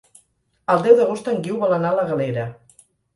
El deu d'agost en Guiu vol anar a la Galera.